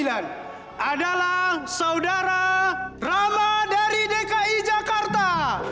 adalah saudara rama dari dki jakarta